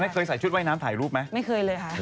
เคยใส่ชุดว่ายน้ำถ่ายรูปไหมไม่เคยเลยค่ะ